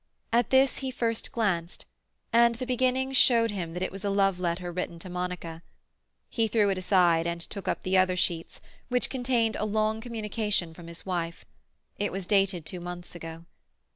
At this he first glanced, and the beginning showed him that it was a love letter written to Monica. He threw it aside and took up the other sheets, which contained a long communication from his wife; it was dated two months ago.